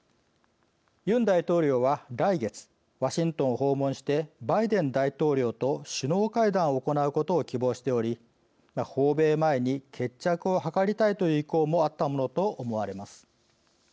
ユン大統領は来月ワシントンを訪問してバイデン大統領と首脳会談を行うことを希望しており訪米前に決着を図りたいという意向もあったものと思われます。